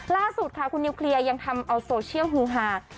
ล่าสุดค่ะคุณนิวเคลียร์ยังทำเอาโซเชียลฮือหา